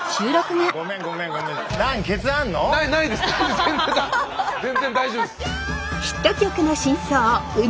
全然全然大丈夫です。